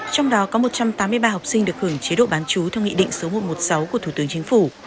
trong đó có một trăm tám mươi ba học sinh được hưởng chế độ bán chú theo nghị định số một trăm một mươi sáu của thủ tướng chính phủ